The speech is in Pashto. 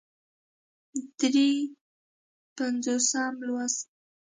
درې پينځوسم لوست